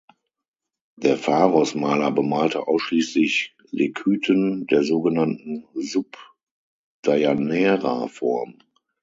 Der Pharos-Maler bemalte ausschließlich Lekythen der sogenannten "Sub-Deianeira"-Form.